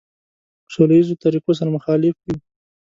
سوله ایزو طریقو سره مخالف یو.